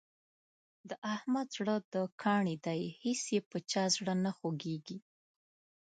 د احمد زړه د کاڼي دی هېڅ یې په چا زړه نه خوږېږي.